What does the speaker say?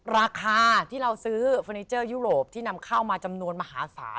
ราคาที่เราซื้อเฟอร์นิเจอร์ยุโรปที่นำเข้ามาจำนวนมหาศาล